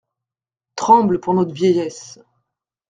Tremble pour notre vieillesse.